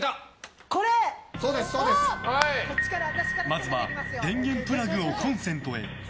まずは電源プラグをコンセントへ。